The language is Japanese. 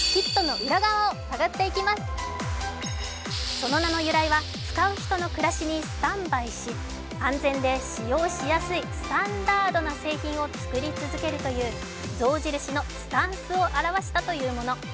その名の由来は使う人の暮らしにスタンバイし、安全で使用しやすいスタンダードな製品を作り続けるという象印のスタンスを表したというもの。